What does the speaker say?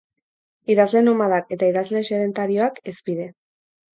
Idazle nomadak eta idazle sedentarioak, hizpide.